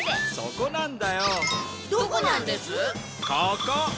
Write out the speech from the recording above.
ここ！